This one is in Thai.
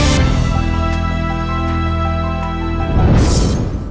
๒ล้านบาทจะได้หรือไม่